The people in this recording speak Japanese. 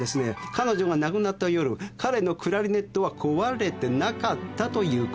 彼女が亡くなった夜彼のクラリネットは壊れてなかったということになります。